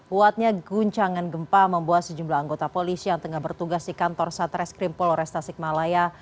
kuatnya guncangan gempa membuat sejumlah anggota polisi yang tengah bertugas di kantor satreskrim polores tasikmalaya